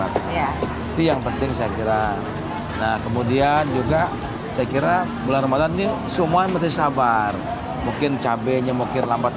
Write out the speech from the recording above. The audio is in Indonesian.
hai nah kemudian juga saya kira bel halaniuh semuanyaness sabar mungkin cabenya mokir lambat